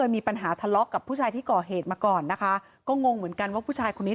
มีปัญหาทะเลาะกับผู้ชายที่ก่อเหตุมาก่อนนะคะก็งงเหมือนกันว่าผู้ชายคนนี้